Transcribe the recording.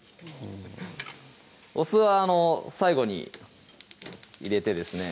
お酢は最後に入れてですね